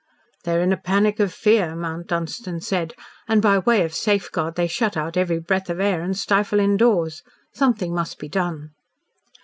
"They are in a panic of fear," Mount Dunstan said, "and by way of safeguard they shut out every breath of air and stifle indoors. Something must be done."